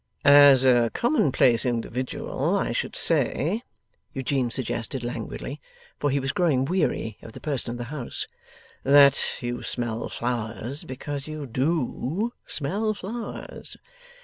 'As a commonplace individual, I should say,' Eugene suggested languidly for he was growing weary of the person of the house 'that you smell flowers because you DO smell flowers.